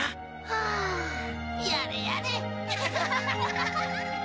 はあやれやれ。